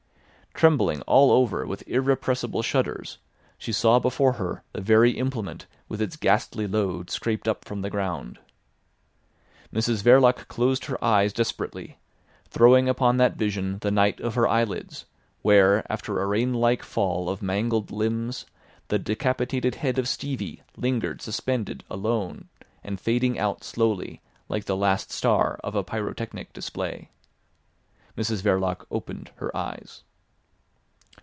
Trembling all over with irrepressible shudders, she saw before her the very implement with its ghastly load scraped up from the ground. Mrs Verloc closed her eyes desperately, throwing upon that vision the night of her eyelids, where after a rainlike fall of mangled limbs the decapitated head of Stevie lingered suspended alone, and fading out slowly like the last star of a pyrotechnic display. Mrs Verloc opened her eyes.